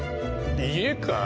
家か？